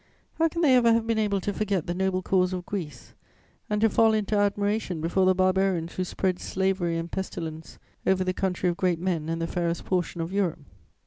How can they ever have been able to forget the noble cause of Greece and to fall into admiration before the barbarians who spread slavery and pestilence over the country of great men and the fairest portion of Europe?